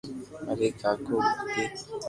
مري ڪاڪيو ھتي